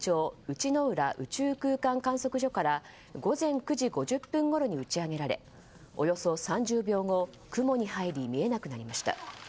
内之浦宇宙空間観測所から午前９時５０分ごろに打ち上げられおよそ３０秒後、雲に入り見えなくなりました。